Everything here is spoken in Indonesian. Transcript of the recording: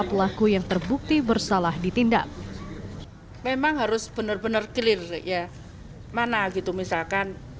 pelaku yang terbukti bersalah ditindak memang harus benar benar clear ya mana gitu misalkan